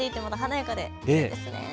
華やかでいいですね。